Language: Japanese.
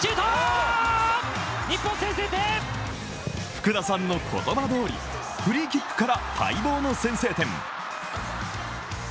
福田さんの言葉どおりフリーキックから待望の先制点。